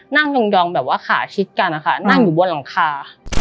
นั่งดองแบบว่าขาชิดกันนะคะนั่งอยู่บนหลังคา